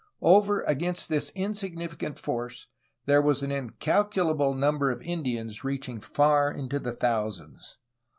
Over against this insignifi cant force there was an incalculable number of Indians, reaching far into the thousands.